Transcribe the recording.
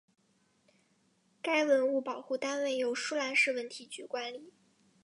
该文物保护单位由舒兰市文体局管理。